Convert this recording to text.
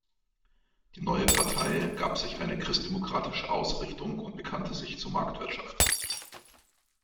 Die neue Partei gab sich eine christdemokratische Ausrichtung und bekannte sich zur Marktwirtschaft.